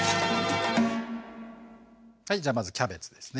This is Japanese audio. はいじゃあまずキャベツですね。